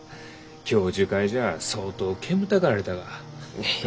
教授会じゃ相当煙たがられたが。